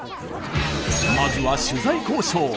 まずは取材交渉。